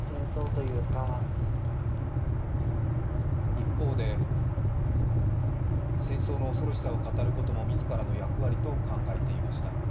一方で戦争の恐ろしさを語ることも自らの役割と考えていました。